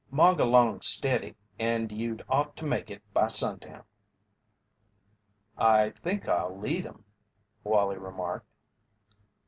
"Mog along stiddy and you'd ought to make it by sundown." "I think I'll lead 'em," Wallie remarked.